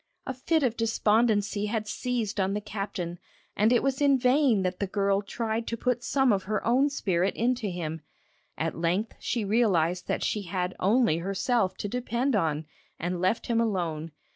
A fit of despondency had seized on the captain, and it was in vain that the girl tried to put some of her own spirit into him. At length she realised that she had only herself to depend on, and left him alone.